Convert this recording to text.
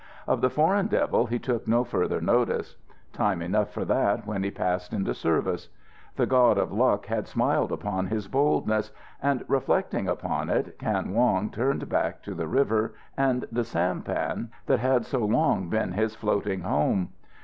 Of the Foreign Devil he took no further notice. Time enough for that when he passed into service. The God of Luck had smiled upon his boldness, and, reflecting upon it Kan Wong turned back to the river and the sampan that had so long been his floating home.